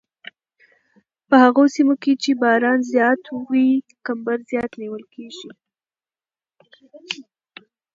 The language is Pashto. په هغو سیمو کې چې باران زیات وي کمبر زیات نیول کیږي